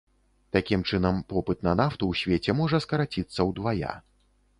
Такім чынам, попыт на нафту ў свеце можа скараціцца ўдвая.